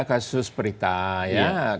kasus perintah ya